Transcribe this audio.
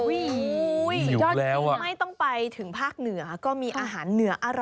สุดยอดจริงแล้วอ่ะไม่ต้องไปถึงภาคเหนือก็มีอาหารเหนือ